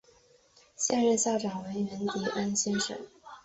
现任校长为源迪恩先生。